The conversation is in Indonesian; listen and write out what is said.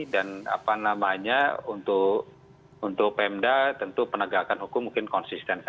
dan apa namanya untuk pemda tentu penegakan hukum mungkin konsisten saja